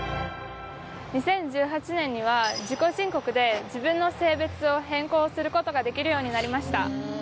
２０１８年には自己申告で自分の性別を変更する事ができるようになりました。